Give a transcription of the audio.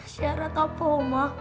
syarat apa oma